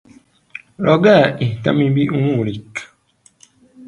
رجاء اهتم بأمورك.